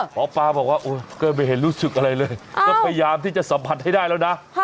หมอปลาบอกว่าก็ไม่เห็นรู้สึกอะไรเลยก็พยายามที่จะสัมผัสให้ได้แล้วนะ